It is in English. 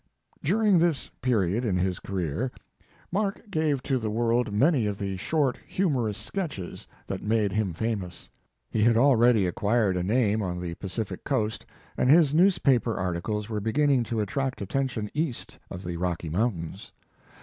During this period in his career > Mark 46 Mark Twain gave to the world many of the short humorous sketches that made him famous. He had already acquired a name on the Pacific Coast, and his newspaper articles were beginning to attract attention east of the Rocky Mountains.